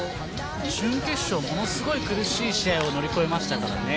準決勝ものすごい苦しい試合を乗り越えましたからね。